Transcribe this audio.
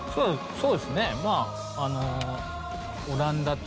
そうですね。